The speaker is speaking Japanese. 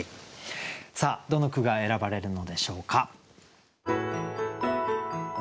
さあどの句が選ばれるのでしょうか。